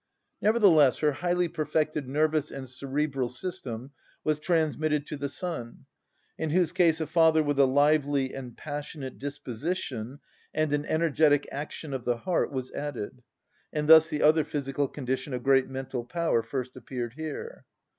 Nevertheless, her highly perfected nervous and cerebral system was transmitted to the son, in whose case a father with a lively and passionate disposition and an energetic action of the heart was added, and thus the other physical condition of great mental power first appeared here.